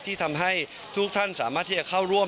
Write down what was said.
ที่ทำให้ทุกท่านสามารถที่จะเข้าร่วม